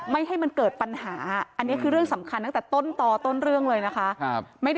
ไม่ให้มันเกิดปัญหาอันนี้คือเรื่องสำคัญตั้งแต่ต้นต่อต้นเรื่องเลยนะคะ